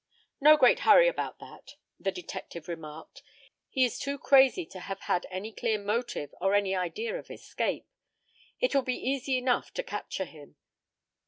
"No great hurry about that," the detective remarked; "he is too crazy to have had any clear motive or any idea of escape. It will be easy enough to capture him."